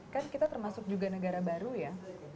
kan kita termasuk juga negara baru ya